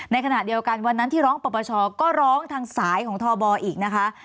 ในขณะเดียวกันวันนั้นที่ร้องปรปชก็ร้องทางสายของทบอีกนะคะ